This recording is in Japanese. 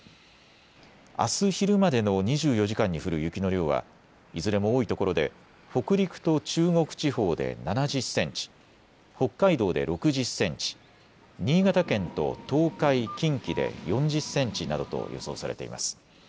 あす昼までの２４時間に降る雪の量はいずれも多いところで北陸と中国地方で７０センチ、北海道で６０センチ、新潟県と東海、近畿で４０センチなどと予想されています。